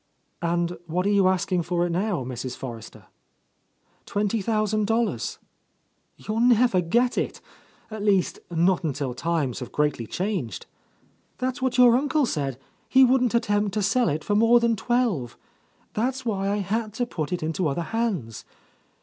"And what are you asking for it now, Mrs. Forrester?" "Twenty thousand dollars." —154— A Lost Lady "You'll never get it. At least, not until times have greatly changed.'' "That's what your uncle said. He wouldn't attempt to sell k for more than twelve. That's why I had to put it into other hands.